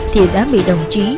thì đã bị đồng trí